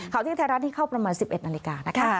เที่ยงไทยรัฐนี่เข้าประมาณ๑๑นาฬิกานะคะ